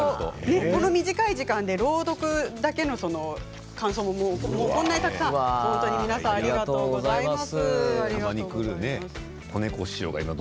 短い時間で朗読だけの感想もこんなにたくさん本当に皆さん、ありがとうございます。